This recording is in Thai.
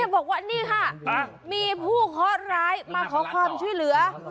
บอกว่านี่ค่ะมีผู้เคาะร้ายมาขอความช่วยเหลือ